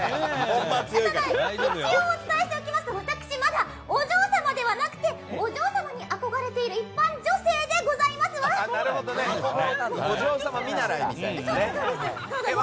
一応お伝えしておきますと私、まだお嬢様ではなくてお嬢様に憧れている一般女性でございますわ！